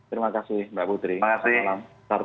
terima kasih mbak putri